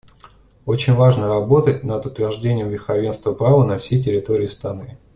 Очень важно работать над утверждением верховенства права на всей территории страны.